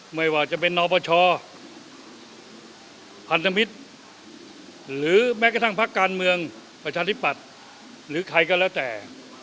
ไม่ว่าจะเป็นนปชพันธมิตรหรือแม้กระทั่งพักการเมืองประชาธิปัตย์หรือใครก็แล้วแต่